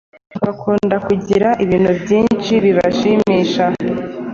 bakunda kugira ibintu byinshi bibashimisha